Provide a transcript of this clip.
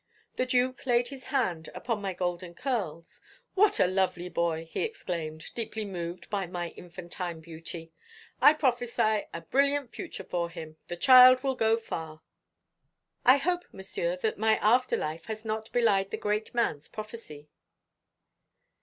The Duke laid his hand upon my golden curls. 'What a lovely boy!' he exclaimed, deeply moved by my infantine beauty; 'I prophesy a brilliant future for him. This child will go far.' I hope, Monsieur, that my after life has not belied the great man's prophecy."